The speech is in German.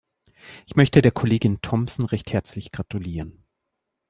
Ich möchte der Kollegin Thomsen recht herzlich gratulieren.